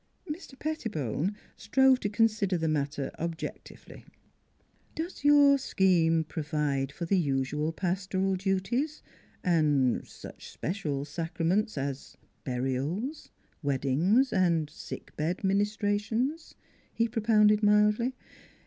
Mr. Pettibone strove to consider the matter objectively. " Does your scheme provide for the usual pas toral duties, and er such special sacraments as burials, weddings, and sick bed ministrations?" he propounded mildly.